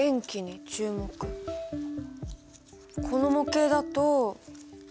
この模型だと。